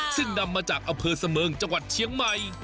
ซึ่งนำมาจากอสเมจชเชียงใหม่